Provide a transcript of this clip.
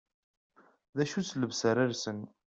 D acu-tt llebsa ara lsen.